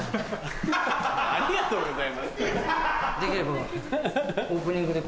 「ありがとうございます」。